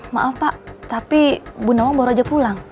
maaf pak tapi bunawang baru aja pulang